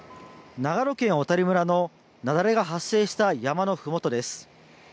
長野県小谷村の雪崩が発生した山のふもとです。